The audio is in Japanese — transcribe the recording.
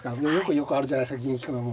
よくあるじゃないですか銀引くのも。